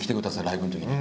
ライブの時に。